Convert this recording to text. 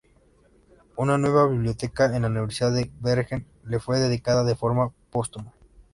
Una nueva biblioteca en la Universidad de Bergen le fue dedicada de forma póstuma.